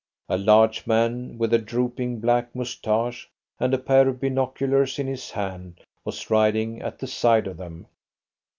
A large man with a drooping black moustache and a pair of binoculars in his hand was riding at the side of them.